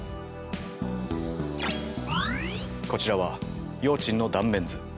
こちらは葉枕の断面図。